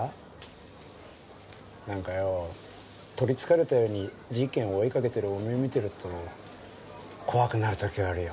なんかよ取りつかれたように事件を追いかけてるおめえを見てると怖くなる時があるよ。